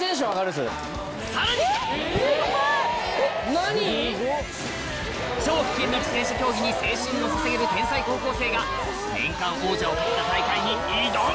何⁉超危険な自転車競技に青春を捧げる天才高校生が年間王者を懸けた大会に挑む！